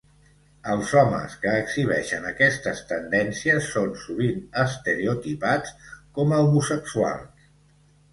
Els homes que exhibeixen aquestes tendències són sovint estereotipats com a homosexuals.